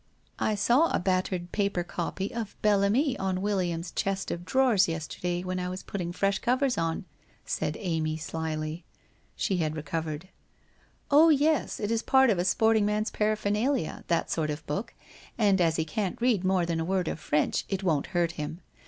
' I saw a battered paper copy of " Bel Ami " on Wil liam's chest of drawers yesterday, when I was putting fresh covers on !' said Amy slily. She had recovered. ' Oh, yes, it is part of a sporting man's paraphernalia, that sort of book, and as he can't read more than a word of French, it won't hurt him.